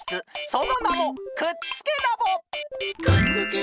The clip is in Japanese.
そのなもくっつけラボ！